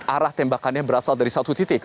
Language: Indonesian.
arah tembakannya berasal dari satu titik